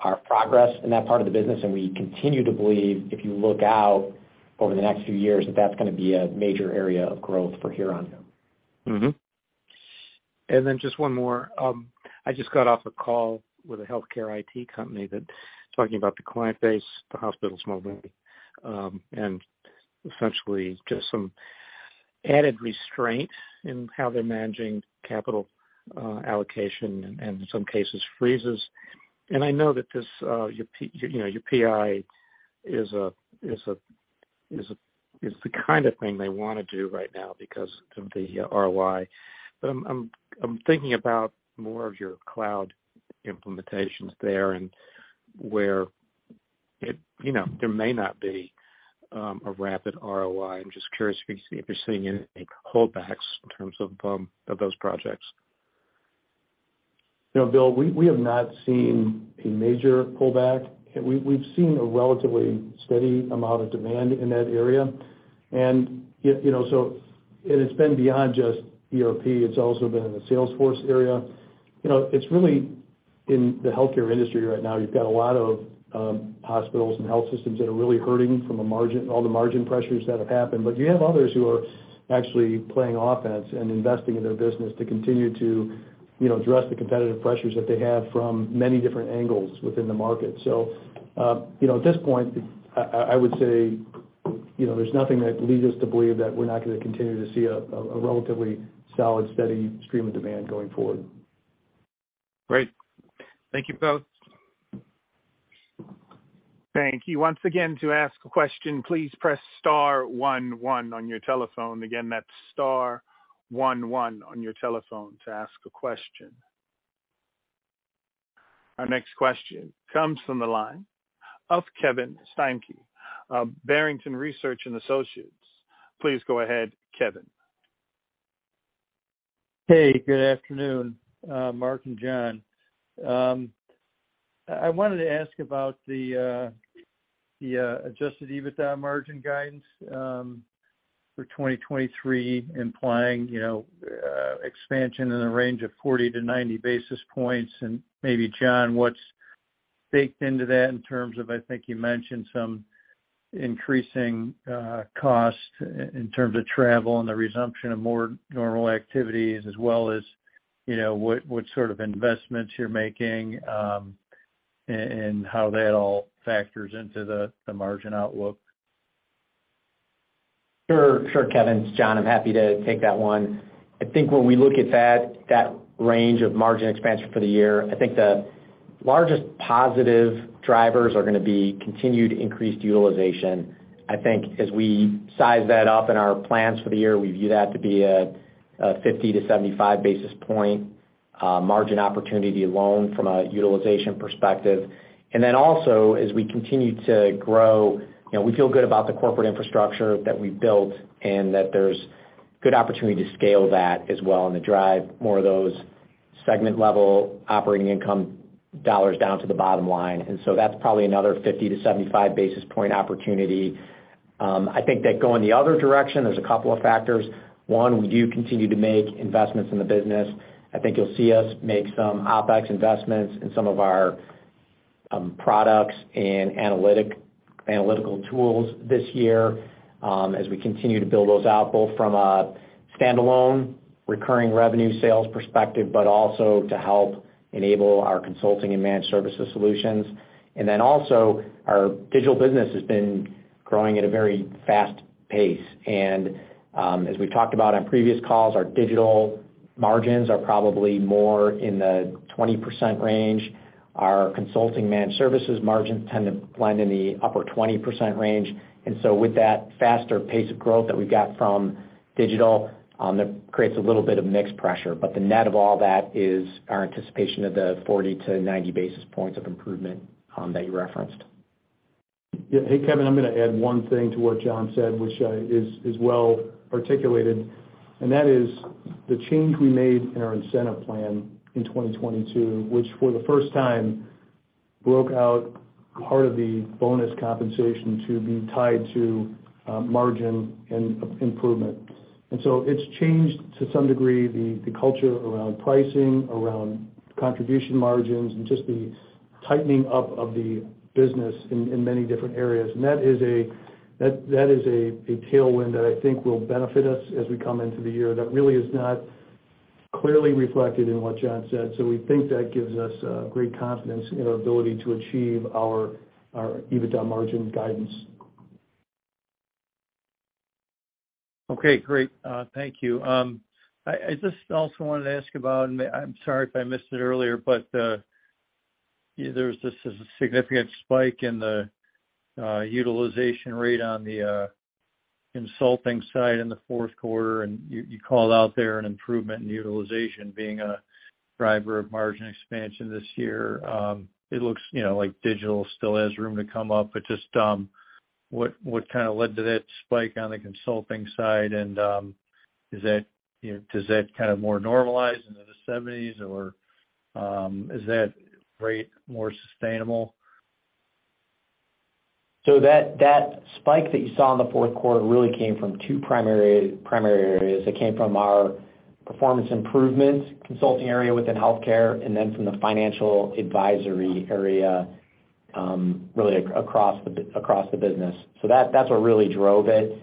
Speaker 3: our progress in that part of the business, and we continue to believe if you look out over the next few years, that that's gonna be a major area of growth for Huron.
Speaker 6: Then just one more. I just got off a call with a healthcare IT company that talking about the client base, the hospitals merging, and essentially just some added restraint in how they're managing capital allocation and in some cases freezes. I know that this, you know, your PI is a, is the kind of thing they wanna do right now because of the ROI. I'm thinking about more of your cloud implementations there and where it, you know, there may not be a rapid ROI. I'm just curious if you're seeing any pullbacks in terms of those projects.
Speaker 2: You know, Bill, we have not seen a major pullback. We've seen a relatively steady amount of demand in that area. you know. It's been beyond just ERP, it's also been in the Salesforce area. You know, it's really in the healthcare industry right now. You've got a lot of hospitals and health systems that are really hurting from all the margin pressures that have happened. You have others who are actually playing offense and investing in their business to continue to, you know, address the competitive pressures that they have from many different angles within the market. you know, at this point, I would say, you know, there's nothing that leads us to believe that we're not gonna continue to see a relatively solid, steady stream of demand going forward.
Speaker 6: Great. Thank you both.
Speaker 1: Thank you. Once again, to ask a question, please press star one one on your telephone. Again, that's star one one on your telephone to ask a question. Our next question comes from the line of Kevin Steinke of Barrington Research Associates. Please go ahead, Kevin.
Speaker 7: Hey, good afternoon, Mark and John. I wanted to ask about the adjusted EBITDA margin guidance, for 2023, implying, you know, expansion in the range of 40 to 90 basis points. Maybe John, what's baked into that in terms of, I think you mentioned some increasing costs in terms of travel and the resumption of more normal activities as well as, you know, what sort of investments you're making, and how that all factors into the margin outlook.
Speaker 3: Sure, Kevin, it's John. I'm happy to take that one. I think when we look at that range of margin expansion for the year, I think the largest positive drivers are gonna be continued increased utilization. I think as we size that up in our plans for the year, we view that to be a 50 to 75 basis point margin opportunity alone from a utilization perspective. Also, as we continue to grow, you know, we feel good about the corporate infrastructure that we've built, and that there's good opportunity to scale that as well and to drive more of those segment level operating income dollars down to the bottom line. That's probably another 50 to 75 basis point opportunity. I think that going the other direction, there's a couple of factors. One, we do continue to make investments in the business. I think you'll see us make some OpEx investments in some of our products and analytical tools this year as we continue to build those out, both from a standalone recurring revenue sales perspective, but also to help enable our consulting and managed services solutions. Then also, our digital business has been growing at a very fast pace. As we've talked about on previous calls, our digital margins are probably more in the 20% range. Our consulting managed services margins tend to blend in the upper 20% range. So with that faster pace of growth that we've got from digital, that creates a little bit of mix pressure. The net of all that is our anticipation of the 40 to 90 basis points of improvement that you referenced.
Speaker 2: Yeah. Hey, Kevin, I'm gonna add one thing to what John said, which is well articulated, and that is the change we made in our incentive plan in 2022, which for the first time broke out part of the bonus compensation to be tied to margin and improvement. It's changed to some degree, the culture around pricing, around contribution margins, and just the tightening up of the business in many different areas. That is a tailwind that I think will benefit us as we come into the year that really is not clearly reflected in what John said. We think that gives us great confidence in our ability to achieve our EBITDA margin guidance.
Speaker 7: Okay, great. Thank you. I just also wanted to ask about, and I'm sorry if I missed it earlier, but there was just a significant spike in the utilization rate on the consulting side in the fourth quarter, and you called out there an improvement in utilization being a driver of margin expansion this year. It looks, you know, like digital still has room to come up, but just, what kind of led to that spike on the consulting side? Is that, you know, does that kind of more normalize into the 70s or, is that rate more sustainable?
Speaker 3: That spike that you saw in the fourth quarter really came from two primary areas. It came from our performance improvement consulting area within healthcare, and then from the financial advisory area, really across the business. That's what really drove it.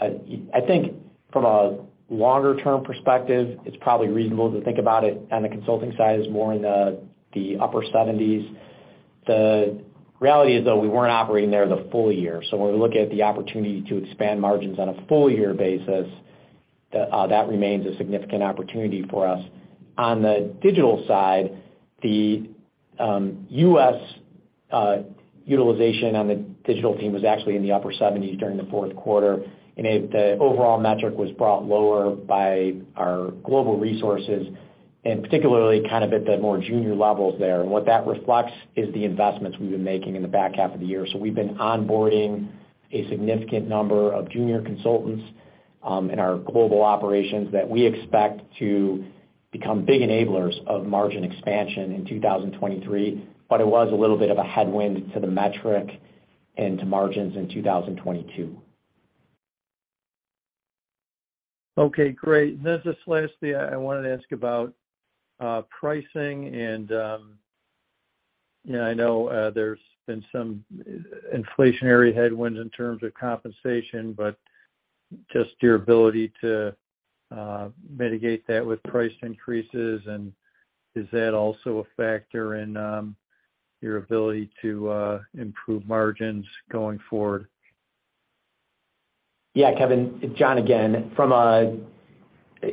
Speaker 3: I think from a longer-term perspective, it's probably reasonable to think about it on the consulting side as more in the upper 70s%. The reality is, though, we weren't operating there the full year. When we look at the opportunity to expand margins on a full year basis, that remains a significant opportunity for us. On the digital side, the U.S. utilization on the digital team was actually in the upper 70s% during the fourth quarter. The overall metric was brought lower by our global resources and particularly kind of at the more junior levels there. What that reflects is the investments we've been making in the back half of the year. We've been onboarding a significant number of junior consultants in our global operations that we expect to become big enablers of margin expansion in 2023. It was a little bit of a headwind to the metric and to margins in 2022.
Speaker 7: Okay, great. Just lastly, I wanted to ask about pricing and, you know, I know there's been some inflationary headwinds in terms of compensation, but just your ability to mitigate that with price increases. Is that also a factor in your ability to improve margins going forward?
Speaker 3: Yeah, Kevin, it's John again. From an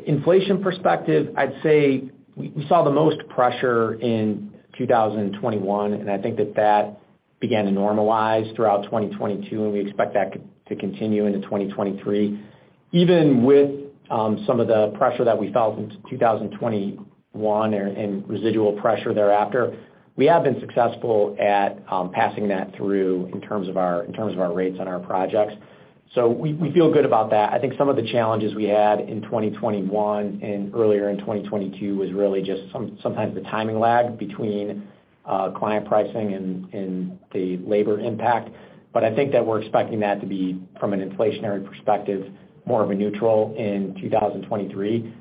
Speaker 3: inflation perspective, I'd say we saw the most pressure in 2021, and I think that began to normalize throughout 2022, and we expect that to continue into 2023. Even with some of the pressure that we felt in 2021 and residual pressure thereafter, we have been successful at passing that through in terms of our rates on our projects. We feel good about that. I think some of the challenges we had in 2021 and earlier in 2022 was really just sometimes the timing lag between client pricing and the labor impact. I think that we're expecting that to be, from an inflationary perspective, more of a neutral in 2023.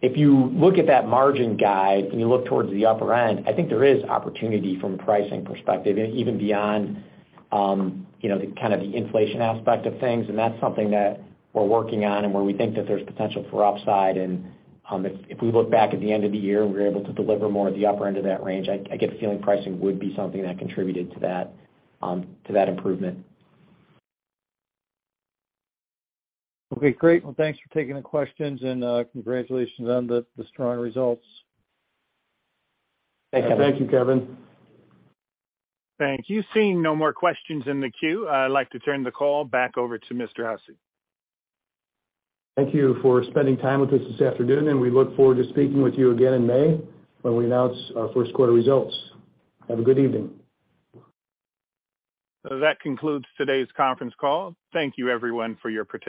Speaker 3: If you look at that margin guide and you look towards the upper end, I think there is opportunity from a pricing perspective and even beyond, you know, the kind of the inflation aspect of things, and that's something that we're working on and where we think that there's potential for upside. If, if we look back at the end of the year and we're able to deliver more at the upper end of that range, I get the feeling pricing would be something that contributed to that, to that improvement.
Speaker 7: Okay, great. Well, thanks for taking the questions and congratulations on the strong results.
Speaker 3: Thank you.
Speaker 2: Thank you, Kevin.
Speaker 1: Thank you. Seeing no more questions in the queue, I'd like to turn the call back over to Mr. Hussey.
Speaker 2: Thank you for spending time with us this afternoon, and we look forward to speaking with you again in May when we announce our first quarter results. Have a good evening.
Speaker 1: That concludes today's conference call. Thank you everyone for your participation.